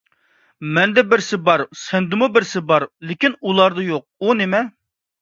مەندە بىرسى بار، سەندىمۇ بىرسى بار، لېكىن ئۇلاردا يوق. ئۇ نېمە؟